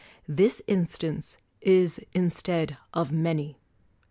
This instance is instead of many.